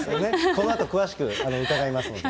このあと詳しく伺いますので。